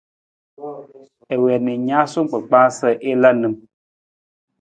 I wii na i naasuu kpakpaa sa i la nim.